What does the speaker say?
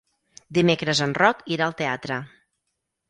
Dimecres en Roc irà al teatre.